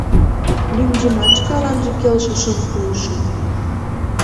Лӱмжымат шкаланже келшышым пуышым.